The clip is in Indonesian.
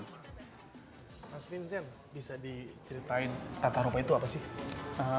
mas vincent bisa diceritain tata rupa itu apa sih